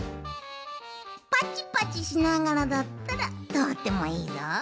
パチパチしながらだったらとおってもいいぞ。